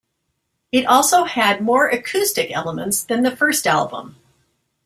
It also had more acoustic elements than the first album.